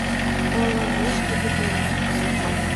— Колымешкет ит мондо!